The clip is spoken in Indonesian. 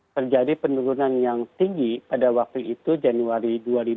terjadi penurunan yang tinggi pada waktu itu januari dua ribu dua puluh